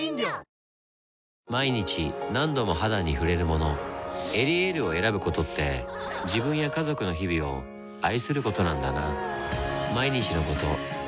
毎日何度も肌に触れるもの「エリエール」を選ぶことって自分や家族の日々を愛することなんだなぁ